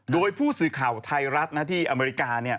โดยผู้สื่อข่าวไทยรัฐที่อเมริกา